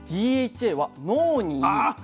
ＤＨＡは脳にイイ！